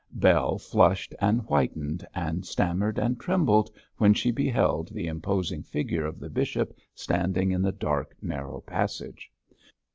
Bell flushed and whitened, and stammered and trembled, when she beheld the imposing figure of the bishop standing in the dark, narrow passage.